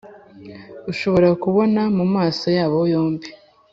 ushobora kubona mumaso yabo yombi